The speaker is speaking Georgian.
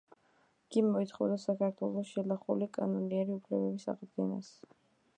იგი მოითხოვდა საქართველოს შელახული, კანონიერი უფლებების აღდგენას.